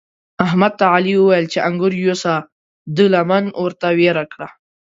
احمد ته علي وويل چې انګور یوسه؛ ده لمن ورته ويړه کړه.